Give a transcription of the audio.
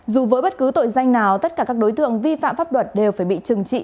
dù với bất cứ tội danh nào tất cả các đối tượng vi phạm pháp luật đều phải bị trừng trị